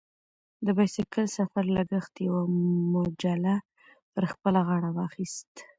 د بایسکل سفر لګښت یوه مجله پر خپله غاړه واخیست.